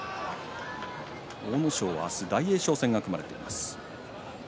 阿武咲は明日大栄翔戦が組まれています。